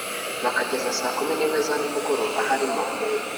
bakageza saa kumi n imwe za nimugoroba harimo